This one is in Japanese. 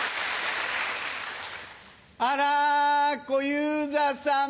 あら小遊三さん